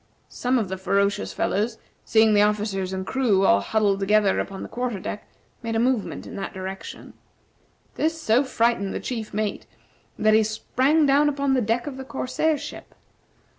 Some of the ferocious fellows, seeing the officers and crew all huddled together upon the quarter deck, made a movement in that direction. This so frightened the chief mate that he sprang down upon the deck of the corsair ship.